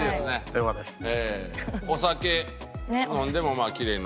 よかったですね。